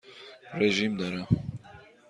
رژیم دارم.